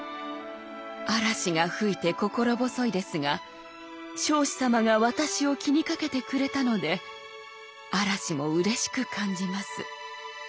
「嵐が吹いて心細いですが彰子様が私を気にかけてくれたので嵐もうれしく感じます」。